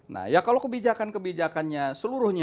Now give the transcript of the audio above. nah ya kalau kebijakan kebijakannya seluruhnya